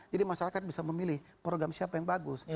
jadi masyarakat bisa memilih program siapa yang bagus